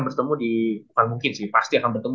bertemu di bukan mungkin sih pasti akan bertemu